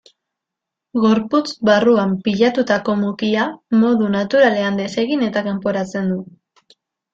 Gorputz barruan pilatutako mukia modu naturalean desegin eta kanporatzen du.